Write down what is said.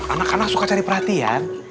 anak anak suka cari perhatian